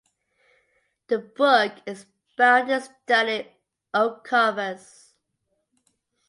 The book is bound in sturdy oak covers.